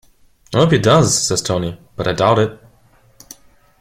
"I hope he does," says Tony, "but I doubt it."